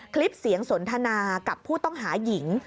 คลิปเสียงสนทนากับผู้ต้องหาหญิง